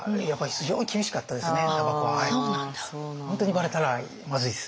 本当にばれたらまずいです。